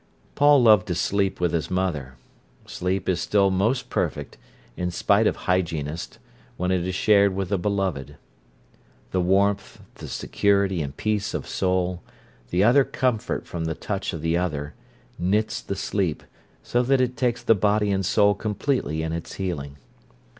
Paul loved to sleep with his mother. Sleep is still most perfect, in spite of hygienists, when it is shared with a beloved. The warmth, the security and peace of soul, the utter comfort from the touch of the other, knits the sleep, so that it takes the body and soul completely in its healing.